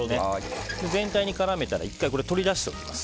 全体に絡めたら１回取り出しておきます。